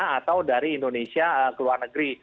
atau dari indonesia ke luar negeri